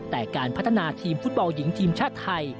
แต่การพัฒนาทีมฟุตบอลหญิงทีมชาติไทย